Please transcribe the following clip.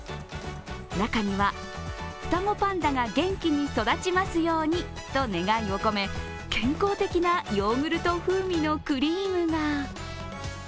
中には、双子パンダが元気に育ちますようにと願いを込め、健康的なヨーグルト風味のクリームが。